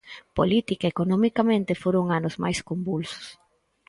Política e economicamente, foron anos máis convulsos.